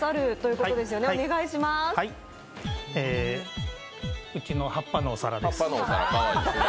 うちの葉っぱのお皿です。